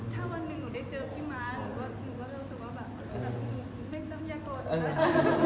ถ้าวันนึงหนูได้เจอพี่ม้าหนูก็เริ่มรู้สึกว่าแบต๊อบแยะกรด